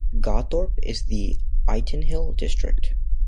Gawthorpe is in the Ightenhill district.